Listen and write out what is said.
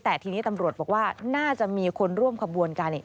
แต่ทีนี้ตำรวจบอกว่าน่าจะมีคนร่วมขบวนการเนี่ย